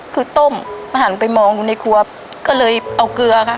คือต้มหันไปมองในครัวก็เลยเอาเกลือค่ะ